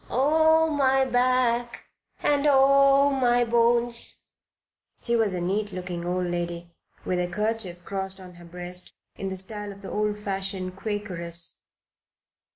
Oh, my back and oh, my bones!" She was a very neat looking old lady, with a kerchief crossed on her breast in the style of the old fashioned Quakeresses.